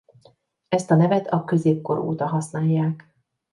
Ezt a nevet a középkor óta használják.